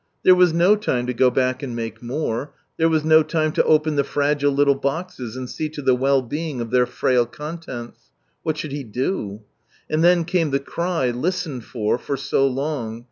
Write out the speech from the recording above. There was no time to go back and make more, there was no time to open the fragile little boxes and see to the well being of their frail contents. What should he do ? And then came the cry, listened for, for so long.